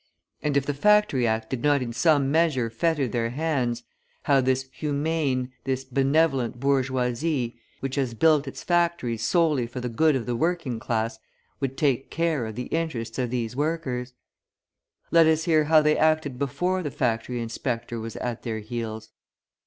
And if the Factory Act did not in some measure fetter their hands, how this "humane," this "benevolent" bourgeoisie, which has built its factories solely for the good of the working class, would take care of the interests of these workers! Let us hear how they acted before the factory inspector was at their heels.